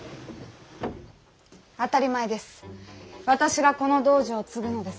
当たり前です。